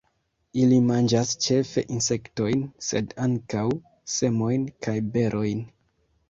Ili manĝas ĉefe insektojn, sed ankaŭ semojn kaj berojn.